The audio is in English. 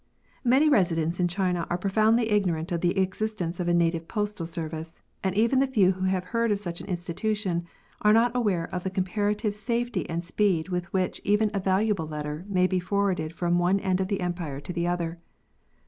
Many residents in China axe profoundly ignorant of the existence of a native postal service ; and even the few who have heard of such an institution, are not aware of the comparative safety and speed with which even a valuable letter may be forwarded from one end of the Empire to the other.